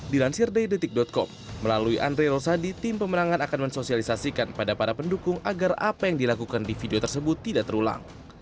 dilansir dari detik com melalui andre rosadi tim pemenangan akan mensosialisasikan pada para pendukung agar apa yang dilakukan di video tersebut tidak terulang